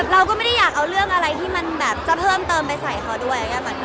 เราก็ไม่ได้อยากเอาเรื่องอะไรที่มันแบบจะเพิ่มเติมไปใส่เขาด้วย